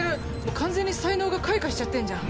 完全に才能が開花しちゃってんじゃん。